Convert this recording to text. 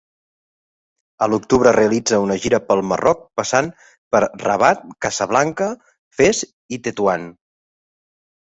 A l'octubre realitza una gira pel Marroc, passant per Rabat, Casablanca, Fes i Tetuan.